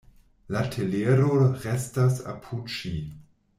La telero restas apud ŝi.